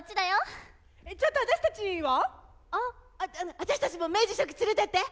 私たちも明治初期連れてって。